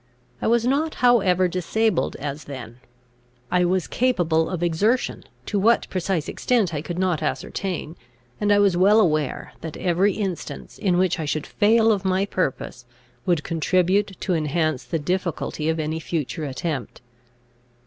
I was not however disabled as then; I was capable of exertion, to what precise extent I could not ascertain; and I was well aware, that every instance in which I should fail of my purpose would contribute to enhance the difficulty of any future attempt.